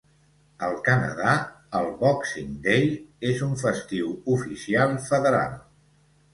Al Canadà, el "Boxing Day" és un festiu oficial federal.